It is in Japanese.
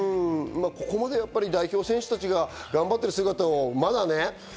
ここまで代表選手たちが頑張ってる姿をね。